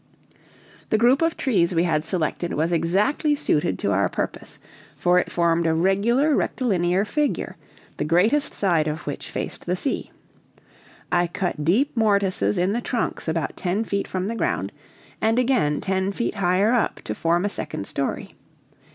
The group of trees we had selected was exactly suited to our purpose, for it formed a regular rectilinear figure, the greatest side of which faced the sea. I cut deep mortices in the trunks about ten feet from the ground, and again ten feet higher up to form a second story.